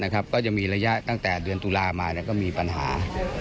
ก็จะมีระยะตั้งแต่เดือนตุลามาก็มีปัญหา